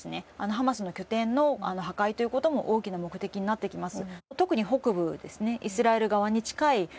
ハマスの拠点の破壊ということも大きな目的になってきます。